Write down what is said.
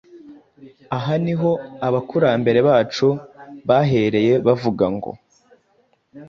Aha ni ho abakurambere bacu bahereye bavuga ngo